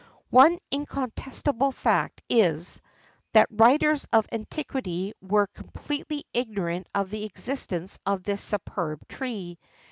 One incontestable fact is, that writers of antiquity were completely ignorant of the existence of this superb tree.